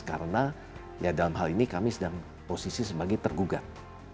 karena ya dalam hal ini kami sedang posisi sebagai tergugat